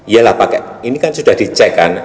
yalah pak ini kan sudah dicek kan